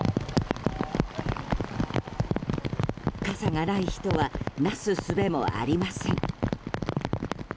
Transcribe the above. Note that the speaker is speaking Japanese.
傘がない人はなすすべもありません。